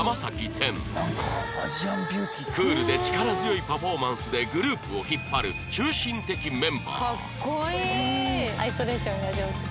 クールで力強いパフォーマンスでグループを引っ張る中心的メンバーアイソレーションが上手。